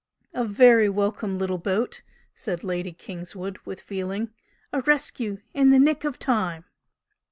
"A very welcome little boat!" said Lady Kingswood, with feeling "A rescue in the nick of time!"